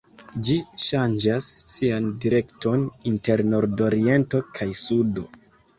Ĝi ŝanĝas sian direkton inter nordoriento kaj sudo.